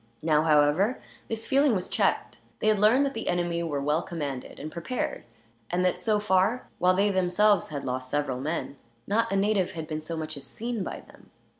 Now, however, this feeling was checked. They had learned that the enemy were well commanded, and prepared; and that so far, while they themselves had lost several men, not a native had been so much as seen by them.